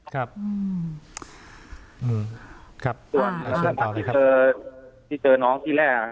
ครับอืมอืมครับส่วนที่เจอที่เจอน้องที่แรก